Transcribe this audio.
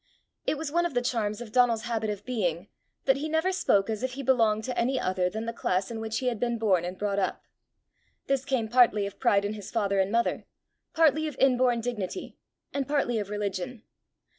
It was one of the charms of Donal's habit of being, that he never spoke as if he belonged to any other than the class in which he had been born and brought up. This came partly of pride in his father and mother, partly of inborn dignity, and partly of religion.